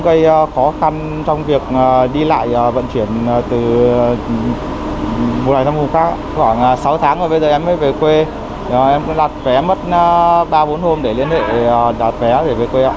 bây giờ em mới về quê em cũng đặt vé mất ba bốn hôm để liên hệ đặt vé về quê